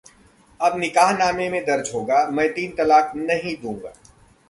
अब निकाहनामे में दर्ज होगा- 'मैं तीन तलाक नहीं दूंगा...'